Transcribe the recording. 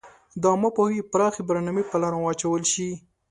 د عامه پوهاوي پراخي برنامي په لاره واچول شي.